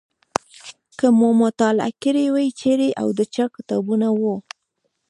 که مو مطالعه کړي وي چیرې او د چا کتابونه وو.